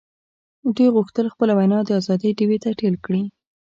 دوی غوښتل خپله وینه د آزادۍ ډیوې ته تېل کړي.